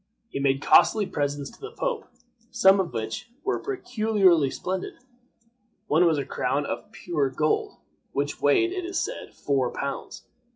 He made costly presents to the pope, some of which were peculiarly splendid. One was a crown of pure gold, which weighed, it is said, four pounds.